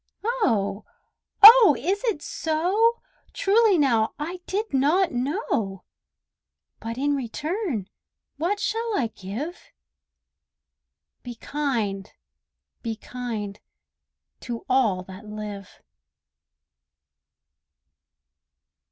Oh! oh! is it so? Truly now, I did not know! But in return what shall I give? "Be kind, be kind, to all that live."